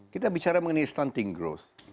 kita bicara mengenai stunting growth